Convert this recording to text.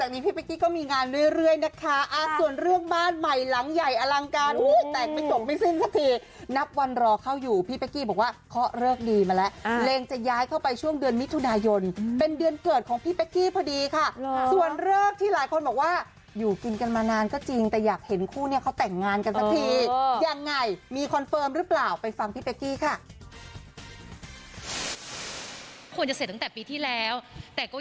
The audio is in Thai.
มีคอนเฟิร์มหรือเปล่าไปฟังพี่เป๊กกี้ค่ะ